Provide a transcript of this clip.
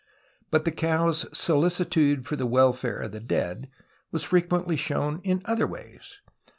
But the cow's solicitude for the welfare of the dead was frequently shown in other ways.